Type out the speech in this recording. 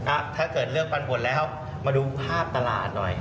ถ้าเกิดเลือกปันผลแล้วมาดูภาพตลาดหน่อย